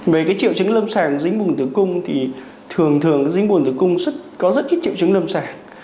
về cái triệu chứng lâm sàng dính vùng tử cung thì thường thường dính vùng tử cung có rất ít triệu chứng lâm sàng